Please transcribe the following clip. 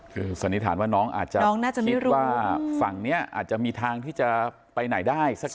คือสันนิษฐานว่าน้องอาจจะคิดว่าฝั่งนี้อาจจะมีทางที่จะไปไหนได้สักที